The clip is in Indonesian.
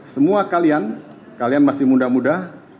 semua kalian kalian masih muda muda